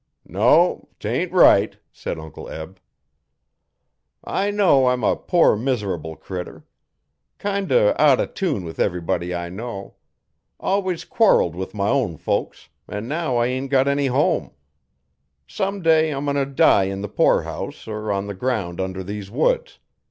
'No, 'tain't right,' said Uncle Eb. 'I know I'm a poor, mis'rable critter. Kind o' out o' tune with everybody I know. Alwus quarrelled with my own folks, an' now I ain't got any home. Someday I'm goin' t' die in the poorhouse er on the ground under these woods.